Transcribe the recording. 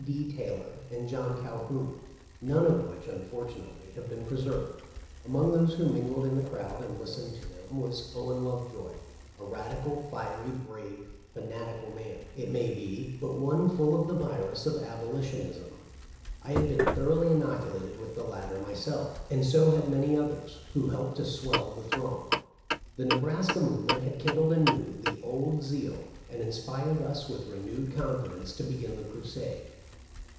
D. Taylor, and John Calhoun, none of which unfortunately have been preserved. Among those who mingled in the crowd and listened to them was Owen Lovejoy, a radical, fiery, brave, fanatical man, it may be, but one full of the virus of Abolitionism. I had been thoroughly inoculated with the latter myself, and so had many others, who helped to swell the throng. The Nebraska move ment had kindled anew the old zeal, and inspired us with renewed confidence to begin the crusade.